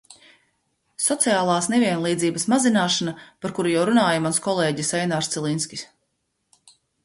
Sociālās nevienlīdzības mazināšana, par kuru jau runāja mans kolēģis Einārs Cilinskis.